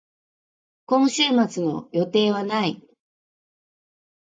今週末の予定はない。